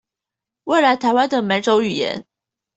未來臺灣的每種語言